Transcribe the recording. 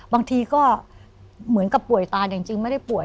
บางทีก็เหมือนกับป่วยตานจริงไม่ได้ป่วย